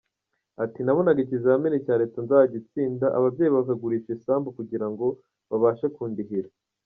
Ati “Nabonaga ikizamini cya Leta nzagitsinda, ababyeyi bakagurisha isambu kugira ngo babashe kundihira.